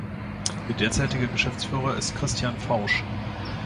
Ihr derzeitiger Geschäftsführer ist Christian Fausch.